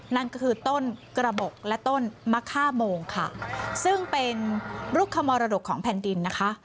นั่นก็คือต้นกระบบและต้นมะค่าโมงค่ะซึ่งเป็นลูกขมรดกของแผ่นดินนะคะ